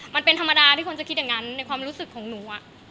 มันเป็นธรรมดาที่คนจะคิดอย่างนั้นในความรู้สึกของหนู